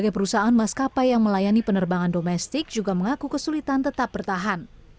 perusahaan maskapai yang melayani penerbangan domestik juga mengaku kesulitan tetap bertahan